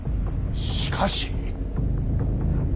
しかし。